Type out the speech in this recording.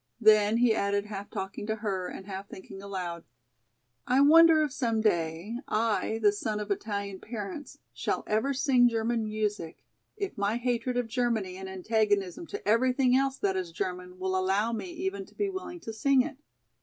Then he added half talking to her and half thinking aloud. "I wonder if some day, I, the son of Italian parents, shall ever sing German music, if my hatred of Germany and antagonism to everything else that is German will allow me even to be willing to sing it.